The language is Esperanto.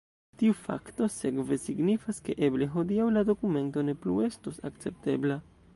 Tiu fakto sekve signifas ke eble hodiaŭ la dokumento ne plu estos akceptebla.